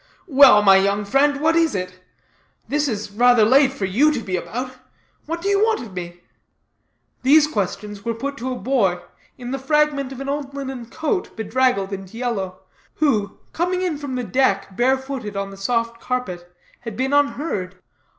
Well, my young friend, what is it? This is rather late for you to be about. What do you want of me?" These questions were put to a boy in the fragment of an old linen coat, bedraggled and yellow, who, coming in from the deck barefooted on the soft carpet, had been unheard.